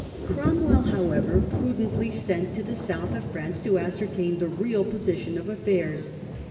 Cromwell however prudently sent to the south of France to ascertain the real position of affairs.